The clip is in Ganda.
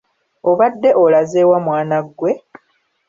Obadde olazeewa mwana gwe?